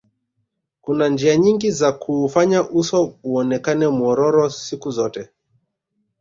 kuna njia nyingi za kuufanya uso uonekane mwororo siku zote